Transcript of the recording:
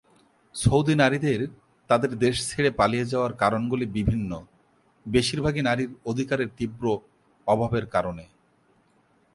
Saudi নারীদের তাদের দেশ ছেড়ে পালিয়ে যাওয়ার কারণগুলি বিভিন্ন, বেশিরভাগই নারীর অধিকারের তীব্র অভাবের কারণে।